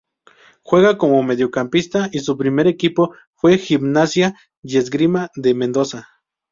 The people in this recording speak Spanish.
Juega como mediocampista y su primer equipo fue Gimnasia y Esgrima de Mendoza.